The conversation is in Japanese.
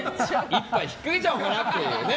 １杯ひっかけちゃおうかなっていうね。